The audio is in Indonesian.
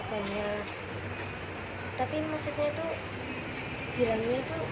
tapi maksudnya itu bilangnya itu jangan yang aneh aneh kan itu kan juga menyatuk masa depan